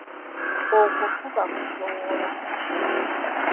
Okwo kuba kusowola.